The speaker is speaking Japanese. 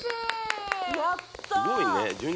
やったー！